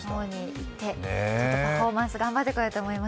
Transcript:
パフォーマンス頑張ってこようと思います。